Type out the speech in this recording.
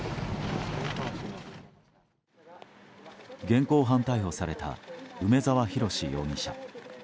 現行犯逮捕された梅沢洋容疑者。